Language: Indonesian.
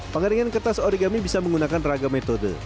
pengeringan kertas origami bisa menggunakan ragam metode